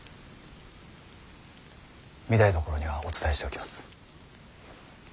御台所にはお伝えしておきます。